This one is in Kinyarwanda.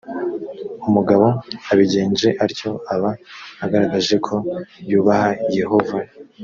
umugabo abigenje atyo aba agaragaje ko yubaha yehova